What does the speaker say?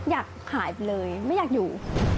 อยากหายไปเลยไม่อยากอยู่